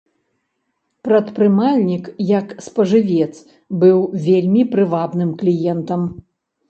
Прадпрымальнік як спажывец быў вельмі прывабным кліентам.